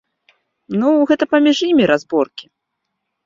Ну, гэта паміж імі разборкі.